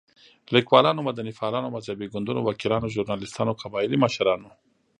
ليکوالانو، مدني فعالانو، مذهبي ګوندونو، وکيلانو، ژورناليستانو، قبايلي مشرانو